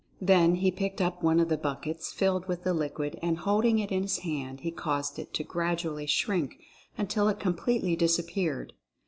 Then he picked up one of the buckets filled with the liquid and, holding it in his hand, he caused it to gradually shrink until it completely disappeared.